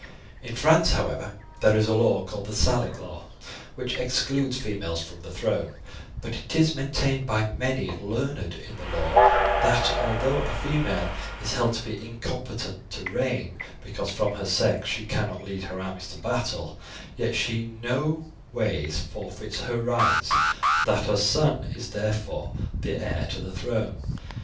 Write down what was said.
In France, however, there is a law called the 'Salic' law, which excludes females from the throne; but it is maintained by many learned in the law, that although a female is held to be incompetent to reign because from her sex she cannot lead her armies to battle, yet she no ways forfeits otherwise her rights, and that her son is therefore the heir to the throne.